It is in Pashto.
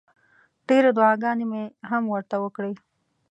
ډېرې دوعاګانې مې هم ورته وکړې.